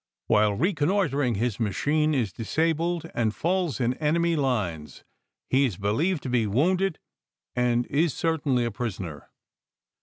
While Reconnoitring His Machine is Disabled, and Falls in Enemy s Lines. He is Believed to be Wounded, and is Certainly a Prisoner."